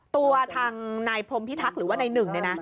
ตัวทางนายพรมพิทักษ์หรือว่าในหนึ่งนะ